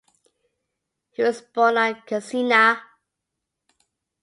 He was born at Cesena.